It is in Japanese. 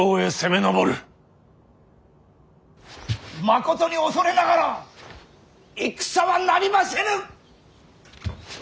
まことに恐れながら戦はなりませぬ！